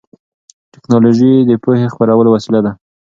ټیکنالوژي د پوهې خپرولو وسیله ده.